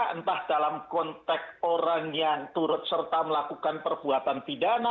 entah dalam konteks orang yang turut serta melakukan perbuatan pidana